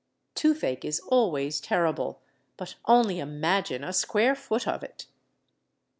Toothache is always terrible, but only imagine a square foot of it!